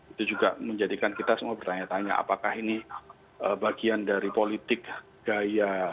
itu juga menjadikan kita semua bertanya tanya apakah ini bagian dari politik gaya